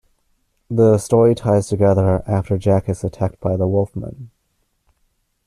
The story ties together after Jack is attacked by the Wolfman.